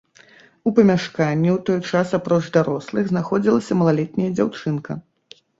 У памяшканні ў той час апроч дарослых знаходзілася малалетняя дзяўчынка.